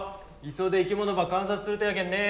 磯で生き物ば観察するとやけんね。